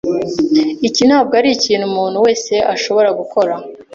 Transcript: Iki ntabwo arikintu umuntu wese ashobora gukora.